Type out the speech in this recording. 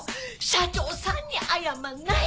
社長さんに謝んない！